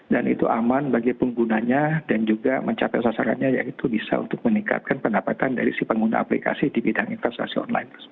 dan itu aman bagi penggunanya dan juga mencapai sasarannya yaitu bisa untuk meningkatkan pendapatan dari si pengguna aplikasi di bidang investasi online